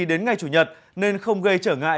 đến ngày chủ nhật nên không gây trở ngại